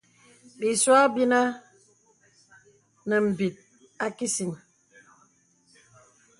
Bìsua bìnə nə̀ m̀bìt a kìsìn.